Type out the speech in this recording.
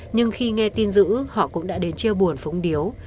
nhưng khi nghe tin dữ họ cũng đã đến chia buồn phúng điếu